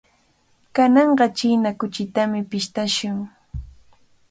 Kananqa china kuchitami pishtashun.